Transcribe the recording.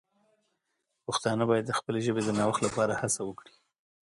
پښتانه باید د خپلې ژبې د نوښت لپاره هڅه وکړي.